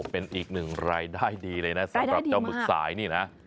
เป็นอีกหนึ่งรายได้ดีเลยนะสำหรับเจ้าหมึกสายนี่นะ